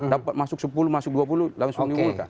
dapat masuk sepuluh masuk dua puluh langsung diumumkan oke